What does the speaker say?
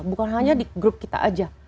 bukan hanya di grup kita aja